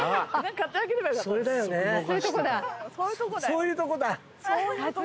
そういうとこだ。